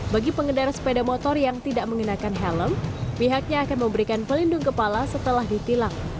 bagi pengendara sepeda motor yang tidak mengenakan helm pihaknya akan memberikan pelindung kepala setelah ditilang